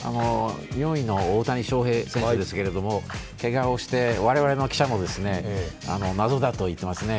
４位の大谷翔平選手ですけどけがをして、我々の記者も謎だと言っていますね。